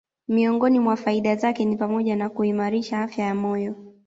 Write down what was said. Miongoni mwa faida zake ni pamoja na kuimarisha afya ya moyo